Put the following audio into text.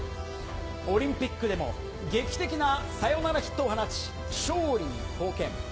オリンピックでも劇的なサヨナラヒットを放ち、勝利に貢献。